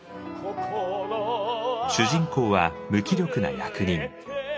主人公は無気力な役人。